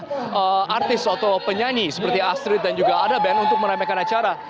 dan seperti ada band artis atau penyanyi seperti astrid dan juga ada band untuk meramalkan acara